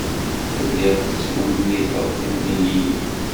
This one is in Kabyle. Telliḍ tettwenniteḍ timliliyin.